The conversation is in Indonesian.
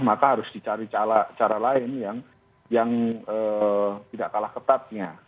maka harus dicari cara lain yang tidak kalah ketatnya